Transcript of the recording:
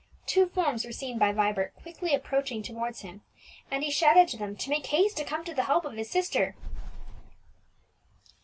Two forms were seen by Vibert quickly approaching towards him, and he shouted to them to make haste to come to the help of his sister.